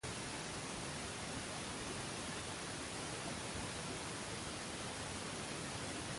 En su etapa como futbolista, Giampaolo era centrocampista.